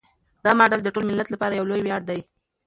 دا مډال د ټول ملت لپاره یو لوی ویاړ دی.